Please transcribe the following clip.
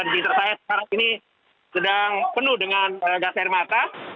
di tempat saya sekarang ini sedang penuh dengan gas air mata